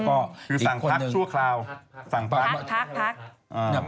ก็อีกคนอื่นใช่สั่งพักชั่วคราว